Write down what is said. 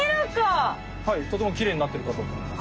はいとてもきれいになってるかと思います。